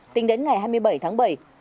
tính đến ngày hai mươi bảy tháng bảy